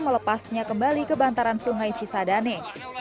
melepasnya kembali ke bantaran sungai cisadane